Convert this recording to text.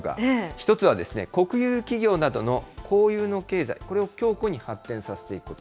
１つはですね、国有企業などの公有の経済、これを強固に発展させていくこと。